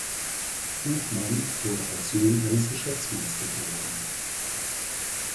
Buchman wurde als Sohn eines Geschäftsmannes geboren.